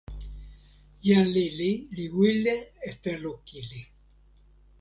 jan lili li wile e telo kili.